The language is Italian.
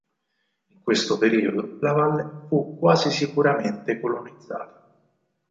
In questo periodo la valle fu quasi sicuramente colonizzata.